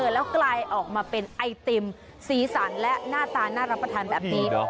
แล้วกลายออกมาเป็นไอติมสีสันและหน้าตาน่ารับประทานแบบนี้